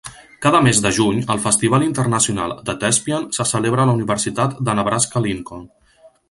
Cada mes de juny, el Festival Internacional de Thespian se celebra a la Universitat de Nebraska-Lincoln.